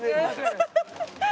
ハハハハ！